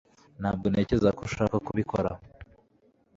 ntabwo ntekereza ko ushaka kubikora